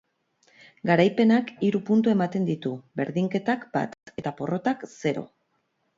Garaipenak hiru puntu ematen ditu; berdinketak, bat; eta porrotak, zero.